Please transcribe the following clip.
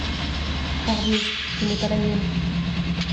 Parbleu ! ce n’est pas la mienne !…